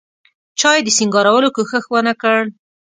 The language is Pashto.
چا یې د سینګارولو کوښښ ونکړ.